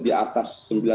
ke atas sembilan